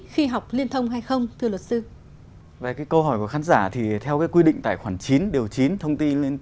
khi học liên thông hay không